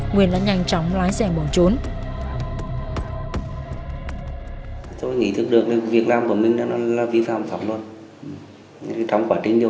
nguyên đã nhanh chóng lái xe bỏ trốn